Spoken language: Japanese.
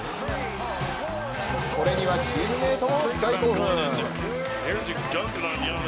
これにはチームメートも大興奮。